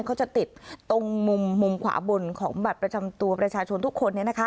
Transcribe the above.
เขาจะติดตรงมุมขวาบนของบัตรประชาชนทุกคน